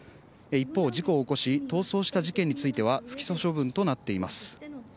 一方、事故を起こし逃走した事件については不起訴処分となっています。